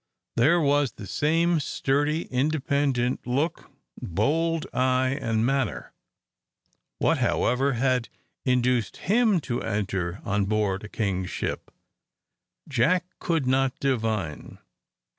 There was the same sturdy, independent look, bold eye, and manner. What, however, had induced him to enter on board a king's ship, Jack could not divine.